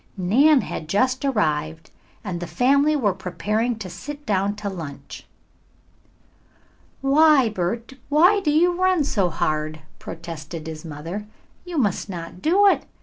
Nan had just arrived and the family were preparing to sit down to lunch. "Why, Bert, why do you run so hard?" protested his mother. "You must not do it.